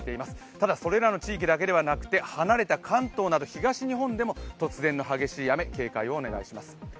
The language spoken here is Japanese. ただ、それらの地域だけではなくて離れた関東など東日本でも突然の激しい雨、警戒をお願いします。